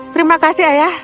terima kasih ayah